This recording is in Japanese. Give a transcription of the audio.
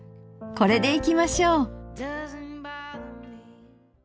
これでいきましょう。